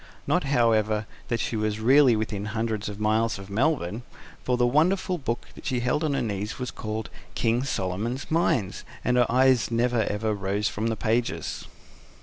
Not, however, that she was really within hundreds of miles of Melbourne; for the wonderful book that she held on her knee was called KING SOLOMON'S MINES, and her eyes never rose from the pages.